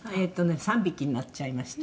「３匹になっちゃいました」